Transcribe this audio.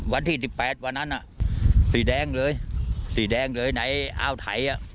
วันที่๑๘วันนั้นอ่ะสีแดงเลยสีแดงเลยไหนอ้าวไถอ่ะ